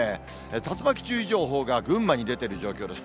竜巻注意情報が群馬に出てる状況です。